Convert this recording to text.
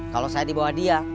kalau saya dibawa dia